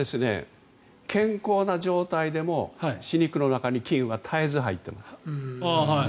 健康な状態でも歯肉の中に菌は絶えず入っています。